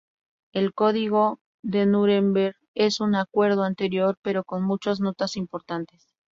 El Código de Nuremberg es un acuerdo anterior, pero con muchos notas importantes.